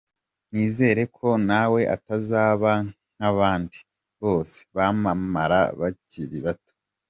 Nizere ko nawe atazaba nk’abandi bose bamamara bakiri bato.